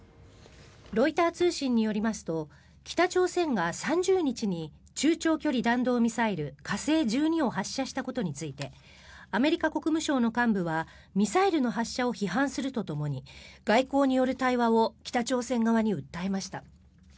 ロイター通信によりますと北朝鮮が３０日に中長距離弾道ミサイル火星１２を発射したことについてアメリカ国務省の幹部はミサイルの発射を批判するとともに外交による対話を北朝鮮側に訴えました。